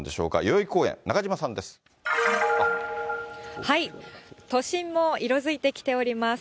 代々木公園、都心も色づいてきております。